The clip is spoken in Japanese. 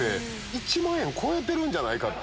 １万円超えてるんじゃないかって。